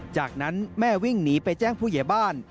จากนั้นแม่วิ่งหนีไปแจ้งผู้ใหญ่บ้าน